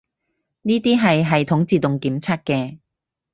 呢啲係系統自動檢測嘅